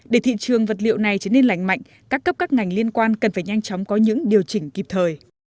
để thị trường vật liệu này trở nên lành mạnh các cấp các ngành liên quan cần phải nhanh chóng có những điều chỉnh kịp thời